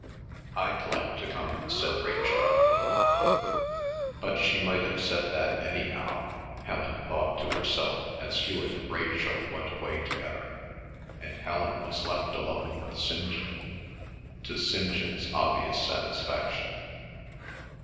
"I'd like to come," said Rachel. "But she might have said that anyhow," Helen thought to herself as Hewet and Rachel went away together, and Helen was left alone with St. John, to St. John's obvious satisfaction.